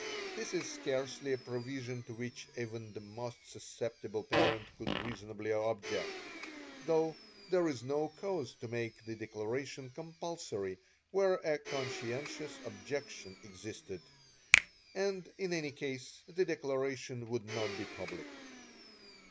This is scarcely a provision to which even the most susceptible parent could reasonably object, though there is no cause to make the declaration compulsory where a 'conscientious' objection existed, and in any case the declaration would not be public.